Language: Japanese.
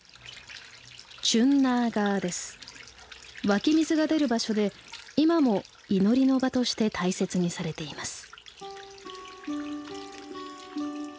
湧き水が出る場所で今も祈りの場として大切にされています。